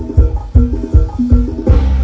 เวลาที่สุดท้าย